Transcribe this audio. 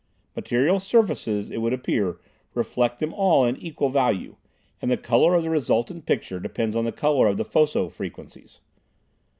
Material surfaces, it would appear, reflect them all in equal value, and the color of the resultant picture depends on the color of the foco frequencies.